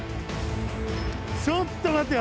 ちょっと待ってよ